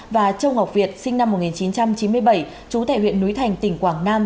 và châu ngọc việt sinh năm một nghìn chín trăm chín mươi bảy chú tại huyện núi thành tỉnh quảng nam